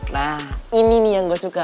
nah ini nih yang gue suka